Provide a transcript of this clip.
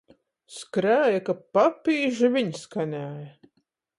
Skrēja, ka papīži viņ skanēja.